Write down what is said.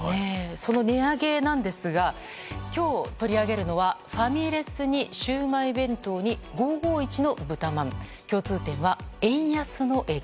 その値上げなんですが今日、取り上げるのはファミレスにシウマイ弁当に５５１の豚まん。